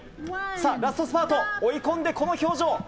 さあ、ラストスパート、追い込んでこの表情。